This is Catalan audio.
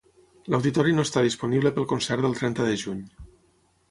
L'auditori no està disponible pel concert del trenta de juny.